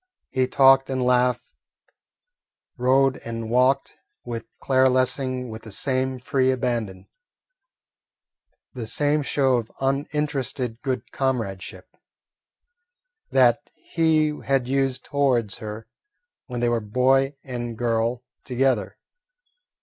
He talked and laughed, rode and walked, with Claire Lessing with the same free abandon, the same show of uninterested good comradeship, that he had used towards her when they were boy and girl together.